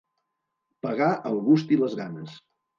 Pagar el gust i les ganes.